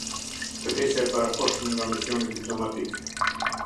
Tërheqja e parakohshme nga misioni diplomatik.